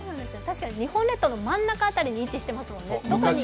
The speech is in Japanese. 日本列島の真ん中辺りに位置してますもんね、どこに行くにも。